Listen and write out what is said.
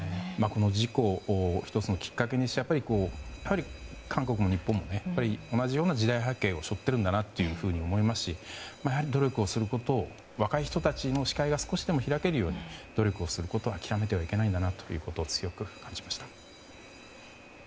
この事故を１つのきっかけにして韓国も日本も同じような時代背景を背負っているんだなと思いますし若い人たちの視界が少しでも開けるように努力することを諦めてはいけないんだなと強く感じました。